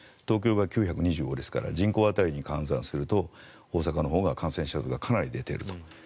東京が９２５ですから人口当たりに換算すると大阪のほうが感染者数がかなり出ていると。